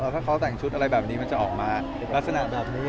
ถ้าเขาแต่งชุดอะไรแบบนี้มันจะออกมาลักษณะแบบนี้